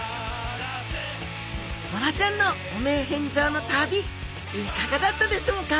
ボラちゃんの汚名返上の旅いかがだったでしょうか。